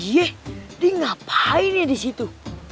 iya itu apaan sih semua di sana